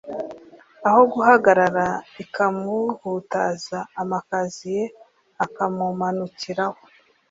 aho guhagarara ikamuhutaza amakaziye akamumanukiraho